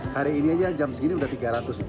hari ini aja jam segini sudah tiga ratus itu